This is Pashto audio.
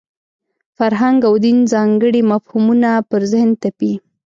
فرهنګ او دین ځانګړي مفهومونه پر ذهن تپي.